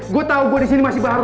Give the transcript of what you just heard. gue tahu gue disini masih baru